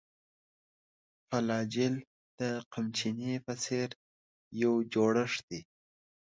فلاجیل د قمچینې په څېر یو جوړښت دی.